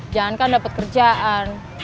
jangan kan dapat kerjaan